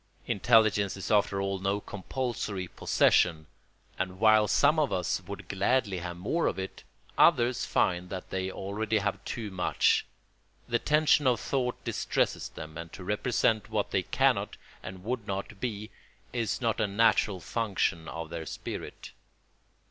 Intelligence is after all no compulsory possession; and while some of us would gladly have more of it, others find that they already have too much. The tension of thought distresses them and to represent what they cannot and would not be is not a natural function of their spirit.